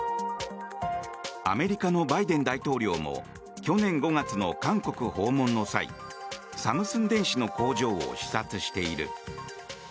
アメリカのバイデン大統領も去年５月の韓国訪問の際サムスン電子の工場を視察している。